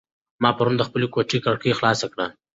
ما پرون د خپلې کوټې کړکۍ خلاصه کړه.